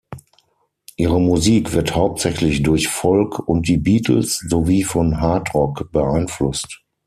Ihre Musik wird hauptsächlich durch Folk und die Beatles, sowie von Hard-Rock beeinflusst.